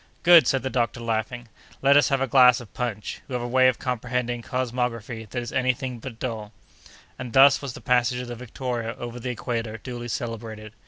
"Good!" said the doctor, laughing. "Let us have a glass of punch. You have a way of comprehending cosmography that is any thing but dull." And thus was the passage of the Victoria over the equator duly celebrated.